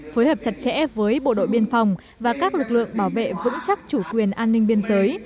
phối hợp chặt chẽ với bộ đội biên phòng và các lực lượng bảo vệ vững chắc chủ quyền an ninh biên giới